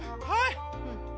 はい。